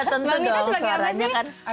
udah tentu dong